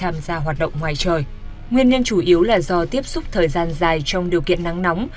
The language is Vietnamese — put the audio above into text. nguyên nhân chủ yếu là do tiếp xúc thời gian dài trong điều kiện nắng nóng